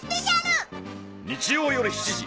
日曜よる７時！